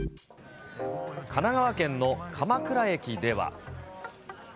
神奈川県の鎌倉駅では。